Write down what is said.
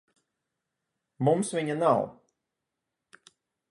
Mums viņa nav.